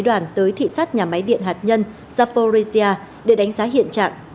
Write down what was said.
đoàn tới thị sát nhà máy điện hạt nhân zaporresia để đánh giá hiện trạng